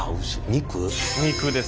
肉ですね。